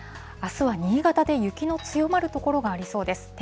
あすは新潟で雪の強まる所がありそうです。